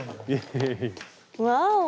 ワオ！